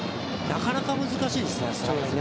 なかなか難しいですよね。